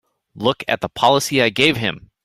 Look at the policy I gave him!